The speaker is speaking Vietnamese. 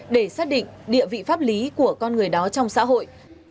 để xác định địa vị pháp lý của con người đó trong xã hội